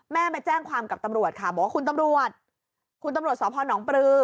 มาแจ้งความกับตำรวจค่ะบอกว่าคุณตำรวจคุณตำรวจสพนปลือ